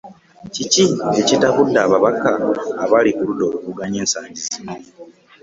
Kiki ekitabudde ababaka abali ku ludda oluvuganya ensangi zino?